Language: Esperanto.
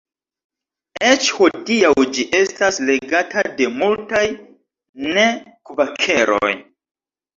Eĉ hodiaŭ ĝi estas legata de multaj ne-kvakeroj.